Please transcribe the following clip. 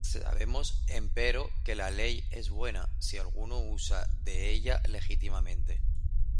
Sabemos empero que la ley es buena, si alguno usa de ella legítimamente;